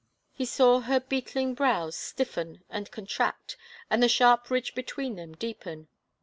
He saw her beetling brows stiffen and contract and the sharp ridge between them deepen.